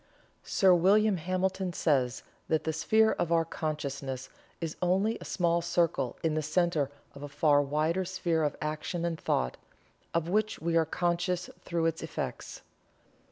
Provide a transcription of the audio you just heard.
Sir William Hamilton says that the sphere of our consciousness is only a small circle in the center of a far wider sphere of action and thought, of which we are conscious through its effects.